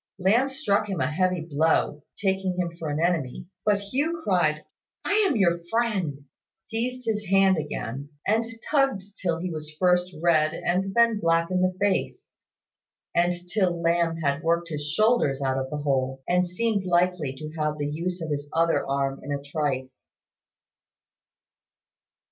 Lamb struck him a heavy blow, taking him for an enemy; but Hugh cried "I am your friend," seized his hand again, and tugged till he was first red and then black in the face, and till Lamb had worked his shoulders out of the hole, and seemed likely to have the use of his other arm in a trice.